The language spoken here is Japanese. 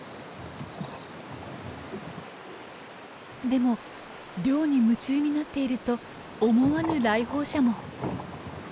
でも漁に夢中になっていると思わぬ来訪者も。